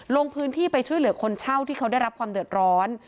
ลงพื้นที่ไปช่วยเหลือคนเช่าที่เขาได้รับความเดือดร้อน